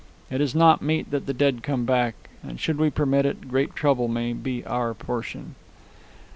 It is not meet that the dead come back, and should we permit it, great trouble may be our portion."